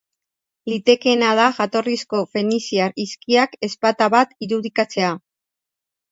Litekeena da jatorrizko feniziar hizkiak ezpata bat irudikatzea.